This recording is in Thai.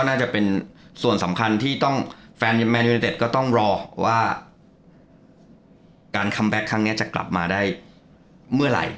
น่าจะเป็นส่วนสำคัญที่ต้องแฟนแมนยูนิเต็ดก็ต้องรอว่าการคัมแบ็คครั้งนี้จะกลับมาได้เมื่อไหร่